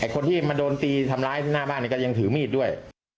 คนที่มาโดนตีทำร้ายที่หน้าบ้านก็ยังถือมีดด้วย